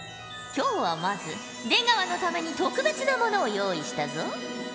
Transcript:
今日はまず出川のために特別なものを用意したぞ。